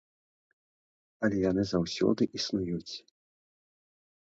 Але яны заўсёды існуюць.